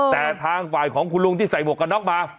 แต่ทางฝ่ายของคุณลุงที่ใส่หมวกกันน็อกมา